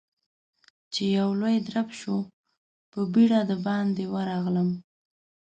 چې يو لوی درب شو، په بيړه د باندې ورغلم.